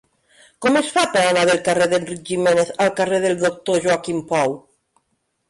Com es fa per anar del carrer d'Enric Giménez al carrer del Doctor Joaquim Pou?